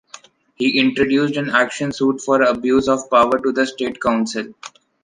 He introduced an action suit for abuse of power to the State Council.